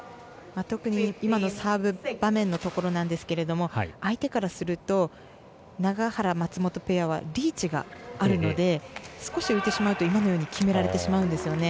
特に今のサーブ場面のところなんですけど相手からすると永原、松本ペアはリーチがあるので少し浮いてしまうと今のように決められてしまうんですよね。